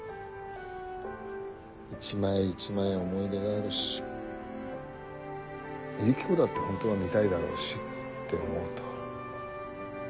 一枚一枚思い出があるしユキコだってホントは見たいだろうしって思うと。